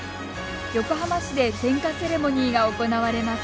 横浜市で点火セレモニーが行われます。